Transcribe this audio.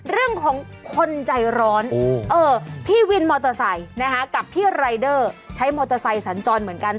เรื่องของคนใจร้อนพี่วินมอเตอร์ไซค์กับพี่รายเดอร์ใช้มอเตอร์ไซค์สัญจรเหมือนกัน